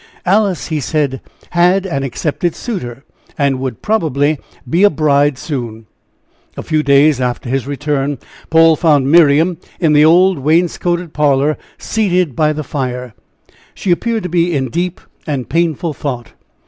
Alice, he said, had an accepted suitor, and would probably be a bride soon. A few days after his return, Paul found Miriam in the old wainscoted parlor seated by the fire. She appeared to be in deep and painful thought.